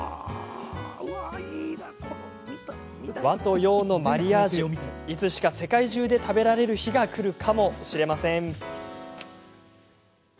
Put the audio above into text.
和と洋のマリアージュいつしか世界中で食べられる日がくるかもしれません。